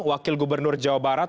wakil gubernur jawa barat